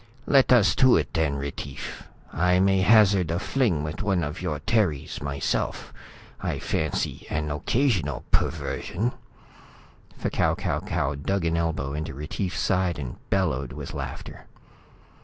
"Let us to it then, Retief. I may hazard a fling with one of your Terries, myself. I fancy an occasional perversion." F'Kau Kau Kau dug an elbow into Retief's side and bellowed with laughter.